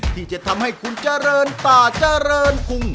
ที่จะทำให้คุณเจริญป่าเจริญพุง